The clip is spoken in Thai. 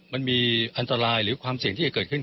มันมีอันตรายหรือความเสี่ยงที่จะเกิดขึ้น